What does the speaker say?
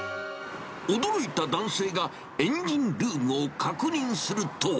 驚いた男性が、エンジンルームを確認すると。